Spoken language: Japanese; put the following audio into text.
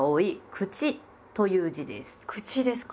「口」ですか。